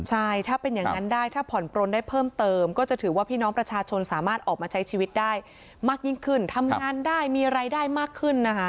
ใช่ถ้าเป็นอย่างนั้นได้ถ้าผ่อนปลนได้เพิ่มเติมก็จะถือว่าพี่น้องประชาชนสามารถออกมาใช้ชีวิตได้มากยิ่งขึ้นทำงานได้มีรายได้มากขึ้นนะคะ